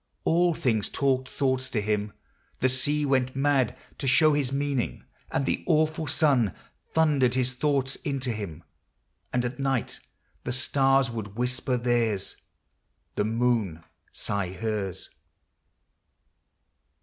All things talked thoughts . to him. The sea went mad To show his meaning ; and the awful sun Thundered his thoughts into him ; and at night The stars would whisper theirs, the moon sigh hers.